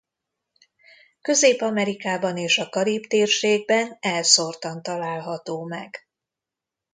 Közép-Amerikában és a Karib-térségben elszórtan található meg.